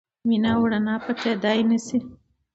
مینه او رڼا پټېدای نه شي.